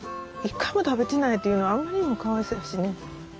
一回も食べてないっていうのはあんまりにもかわいそうやしね。